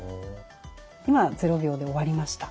今０秒で終わりました。